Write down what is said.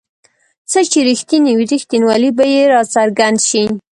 څه چې رښتیا وي رښتینوالی به یې راڅرګند شي.